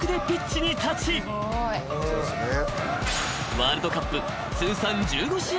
［ワールドカップ通算１５試合